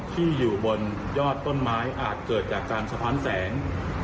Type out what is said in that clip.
ที่อยู่บนยอดต้นไม้อาจเกิดจากการสะท้อนแสง